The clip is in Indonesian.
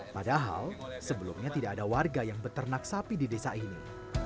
padahal sebelumnya tidak ada warga yang beternak sapi di desa ini